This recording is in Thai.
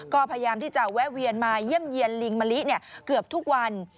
ก็พยายามที่จะแวะเวียนมาเยี่ยมเยี่ยนลิงมะลิเกือบทุกวัน